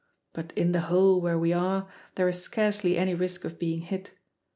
But in the hole where we are there is scarcely any risk of being hit.